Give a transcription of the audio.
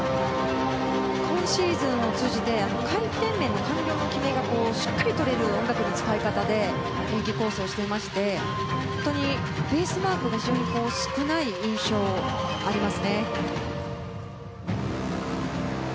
今シーズンを通じて回転面の完了をしっかりとれる音楽の使い方で演技構成をしていましてベースマークが非常に少ない印象がありますね。